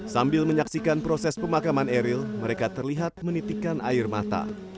sambil menyaksikan proses pemakaman eril mereka terlihat menitikan air mata